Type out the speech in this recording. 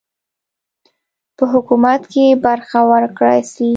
په حکومت کې برخه ورکړه سي.